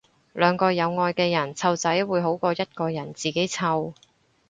兩個有愛嘅人湊仔會好過一個人自己湊